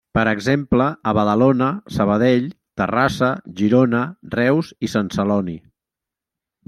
Per exemple a Badalona, Sabadell, Terrassa, Girona, Reus i Sant Celoni.